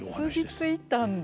結び付いたんだ。